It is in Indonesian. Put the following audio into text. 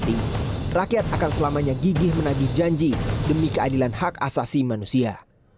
dalam menjaga hak azazi manusia